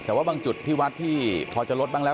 แต่ว่าบางจุดที่วัดที่พอจะลดบ้างแล้ว